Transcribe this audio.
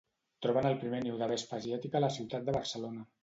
Troben el primer niu de vespa asiàtica a la ciutat de Barcelona.